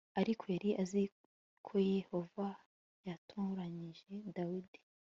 ariko yari azi koyehova yatoranyije dawidi